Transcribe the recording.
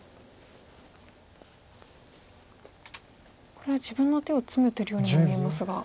これは自分の手をツメてるようにも見えますが。